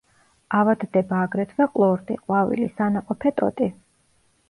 ავადდება აგრეთვე ყლორტი, ყვავილი, სანაყოფე ტოტი.